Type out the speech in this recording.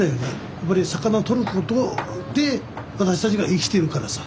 やっぱり魚を取ることで私たちが生きてるからさ。